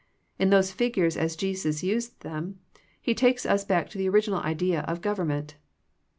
In those figures as Jesus used them He takes us back to the original ideal of government.